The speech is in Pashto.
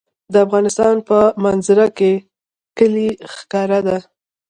د افغانستان په منظره کې کلي ښکاره ده.